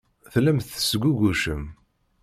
Tellam tesgugucem.